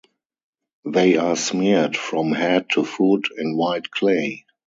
They are smeared from head to foot in white clay.